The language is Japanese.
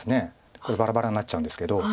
これバラバラになっちゃうんですけど。